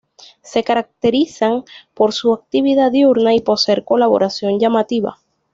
Se caracterizan por su actividad diurna y poseer coloración llamativa.